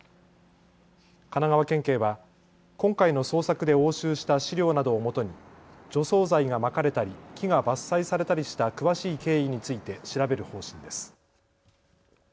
神奈川県警は今回の捜索で押収した資料などをもとに除草剤がまかれたり木が伐採されたりした詳しい経緯について調べる方針です。